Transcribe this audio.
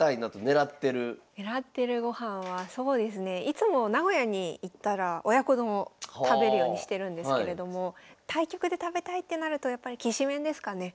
狙ってる御飯はそうですねいつも名古屋に行ったら親子丼を食べるようにしてるんですけれども対局で食べたいってなるとやっぱりきしめんですかね。